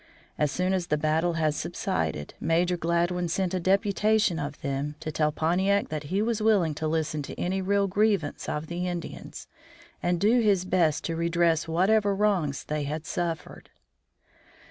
As soon as the battle had subsided Major Gladwin sent a deputation of them to tell Pontiac that he was willing to listen to any real grievance of the Indians, and do his best to redress whatever wrongs they had suffered.